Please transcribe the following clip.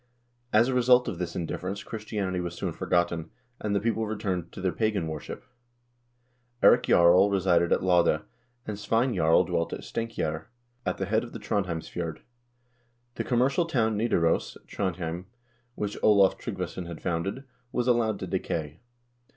* As a result of this indifference Christianity was soon forgotten, and the people returned to their pagan worship. Eirik Jarl resided at Lade, and Svein Jarl dwelt at Stenkjaer, at the head of the Trondhjemsfjord. The commercial town Nidaros (Trondhjem), which Olav Tryggvason had founded, was allowed to decay.